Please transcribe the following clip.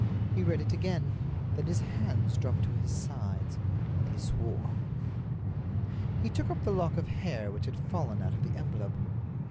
He read it again. Then his hands dropped to his sides, and he swore. He took up the lock of hair which had fallen out of the envelope.